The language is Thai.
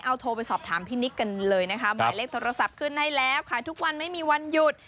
เอาโทรไปสอบถามพี่นิกกันเลยนะคะหมายเลขโทรศัพท์ขึ้นให้แล้วขายทุกวันไม่มีวันหยุด